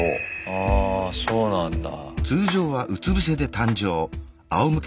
あそうなんだ。